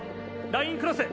ラインクロス。